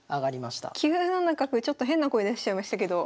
ちょっと変な声出しちゃいましたけど